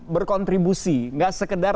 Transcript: berkontribusi nggak sekedar